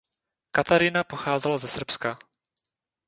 Katarina pocházela ze Srbska.